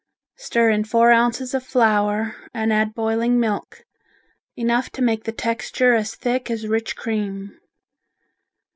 Stir in four ounces of flour and add boiling milk, enough to make the mixture as thick as rich cream.